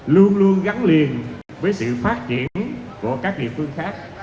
luôn luôn gắn liền với sự phát triển của các địa phương khác